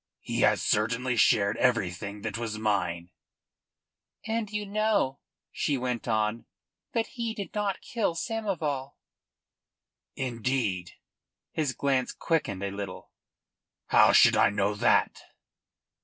"He has certainly shared everything that was mine." "And you know," she went on, "that he did not kill Samoval." "Indeed?" His glance quickened a little. "How should I know that?"